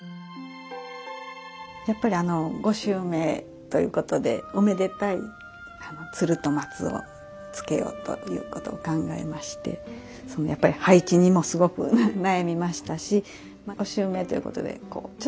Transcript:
やっぱりあのご襲名ということでおめでたい鶴と松をつけようということを考えましてやっぱり配置にもすごく悩みましたしご襲名ということでこう